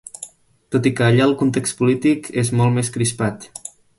Tot i que allà el context polític és molt més crispat.